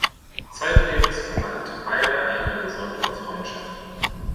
Zeitlebens verband beide eine besondere Freundschaft.